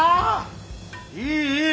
いいいい。